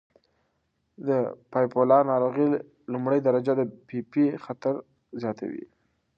د بایپولار ناروغۍ لومړۍ درجه د پي پي پي خطر زیاتوي.